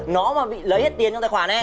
nó mà bị lấy hết tiền trong tài khoản này